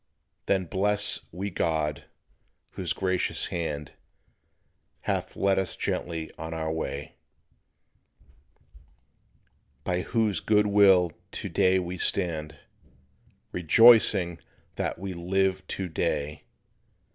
Then bless we God, whose gracious hand Hath led us gently on our way; By whose good will to day we stand Rejoicing that we live to day.